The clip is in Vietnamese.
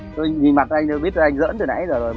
tôi nhìn mặt anh là tôi biết anh dỡn từ nãy rồi